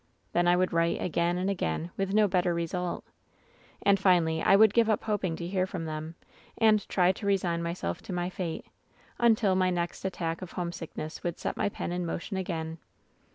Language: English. Then I would write again and again, with no better result. And finally I would give up hoping to hear from them, and try to resign myself to my fate ; until my next attack of home sickness would set my pen in motion again.